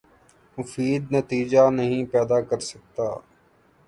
مفید نتیجہ نہیں پیدا کر سکتا